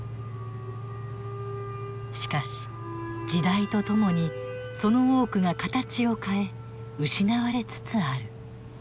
しかし時代とともにその多くが形を変え失われつつある。